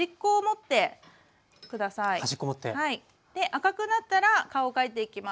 赤くなったら顔を描いていきます。